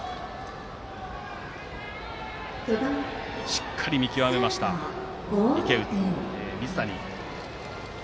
しっかり見極めました、水谷。